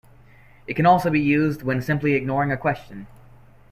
It can also be used when simply ignoring a question.